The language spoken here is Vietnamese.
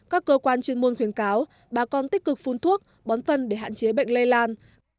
các cơ quan chuyên môn khuyến cáo bà con tích cực phun thuốc bón phân để hạn chế bệnh lây lan